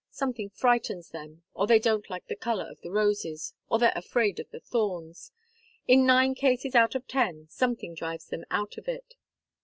Something frightens them, or they don't like the colour of the roses, or they're afraid of the thorns in nine cases out of ten, something drives them out of it."